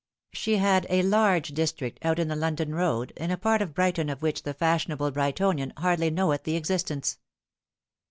She had a large district out in the London Road, in a part of Brighton of which the fashionable Brightonian hardly knoweth the existence.